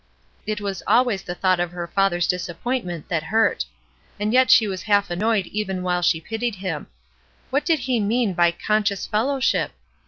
It was always the thought of her father's disappoint ment that hurt; and yet she was half annoyed even while she pitied him. What did he mean by ''conscious fellowship"?